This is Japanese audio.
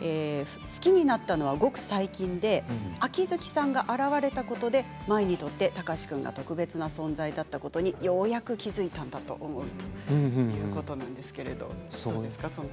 好きになったのは、ごく最近で秋月さんが現れたことで舞にとって貴司君が特別な存在だったことにようやく気付いたんだと思うとそうですね